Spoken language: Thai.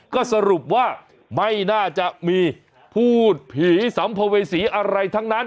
ก็สรุปว่าไม่น่าจะมีพูดผีสัมภเวษีอะไรทั้งนั้น